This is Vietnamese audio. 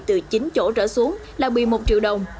từ chín chỗ trở xuống là một mươi một triệu đồng